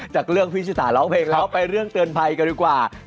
จากเรื่องพี่ชิสาร้องเพลงแล้วไปเรื่องเตือนภัยกันดีกว่า